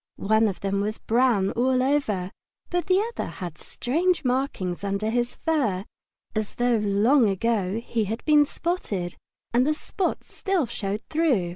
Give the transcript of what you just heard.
One of them was brown all over, but the other had strange markings under his fur, as though long ago he had been spotted, and the spots still showed through.